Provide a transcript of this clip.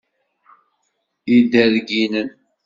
Iderginen.